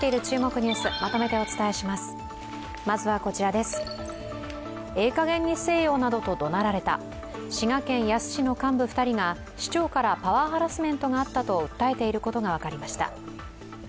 ええかげんにせえよなどと怒鳴られた、滋賀県野洲市の幹部２人が市長からパワーハラスメントがあったと訴えていることが分かりました。